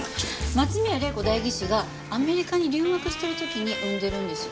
松宮玲子代議士がアメリカに留学している時に産んでるんですよ。